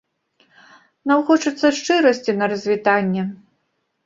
Нам хочацца шчырасці на развітанне.